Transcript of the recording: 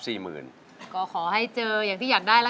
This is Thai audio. ใช้นะครับ